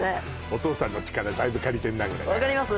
お父さんの力だいぶ借りてんな分かります？